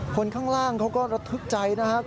คนข้างล่างเขาก็ระทึกใจนะครับ